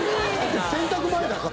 洗濯前だから。